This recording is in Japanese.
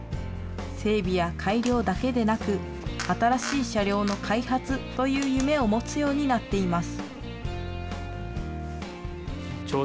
整備や改良だけでなく、新しい車両の開発という夢を持つようになっています。